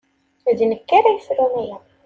D nekk ara yefrun aya.